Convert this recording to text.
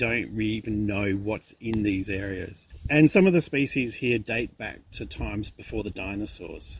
untuk kembali ke waktu sebelum dinosaurus